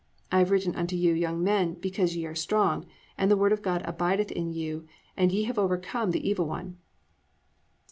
I have written unto you young men, because ye are strong, and the word of God abideth in you, and ye have overcome the evil one."